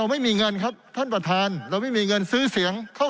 ไม่มีเงินครับท่านประธานเราไม่มีเงินซื้อเสียงเท่า